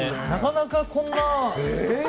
なかなかこんな。